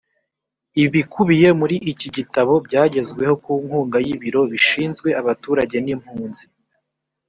ibikubiye muri iki gitabo byagezweho ku nkunga y’ibiro bishinzwe abaturage n’ impunzi